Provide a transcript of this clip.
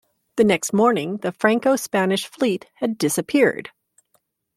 The next morning the Franco-Spanish fleet had disappeared.